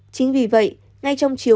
chính vì vậy ngay trong chiều